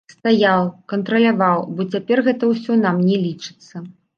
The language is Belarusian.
Стаяў, кантраляваў, бо цяпер гэта ўсё на мне лічыцца.